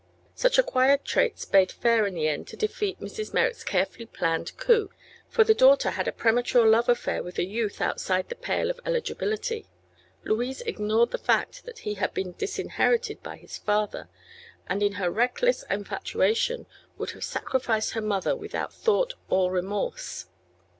Such acquired traits bade fair in the end to defeat Mrs. Merrick's carefully planned coup, for the daughter had a premature love affair with a youth outside the pale of eligibility. Louise ignored the fact that he had been disinherited by his father, and in her reckless infatuation would have sacrificed her mother without thought or remorse.